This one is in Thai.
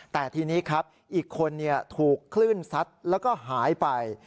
แต่ทีนี้ครับอีกคนถูกคลื่นซัดแล้วก็หายไป